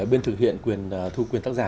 bên thực hiện quyền thu quyền tác giả